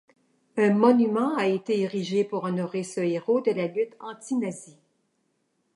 Un monument a été érigé pour honorer ce héros de la lutte antinazie.